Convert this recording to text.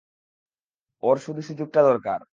ওর শুধু সুযোগটা দরকার।